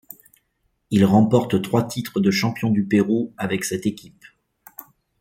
Il remporte trois titres de champion du Pérou avec cette équipe.